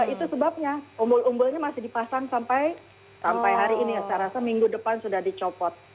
itu sebabnya umbul umbulnya masih dipasang sampai hari ini saya rasa minggu depan sudah dicopot